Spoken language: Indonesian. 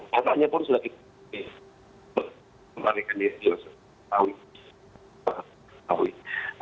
katanya pun sudah kita